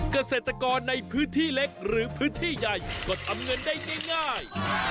เกษตรกรในพื้นที่เล็กหรือพื้นที่ใหญ่ก็ทำเงินได้ง่าย